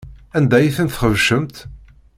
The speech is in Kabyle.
Anda ay ten-txebcemt?